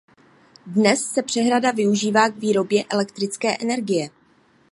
Dnes se přehrada využívá k výrobě elektrické energie.